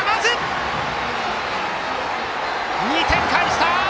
２点返した！